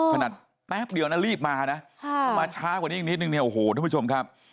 แป๊บเดียวนะรีบมานะพอมาช้ากว่านี้อีกนิดนึงเนี่ยโอ้โหทุกผู้ชมครับ